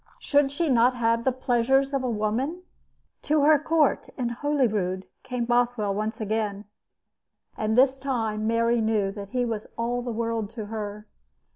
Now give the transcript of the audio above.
Should she not have the pleasures of a woman? To her court in Holyrood came Bothwell once again, and this time Mary knew that he was all the world to her.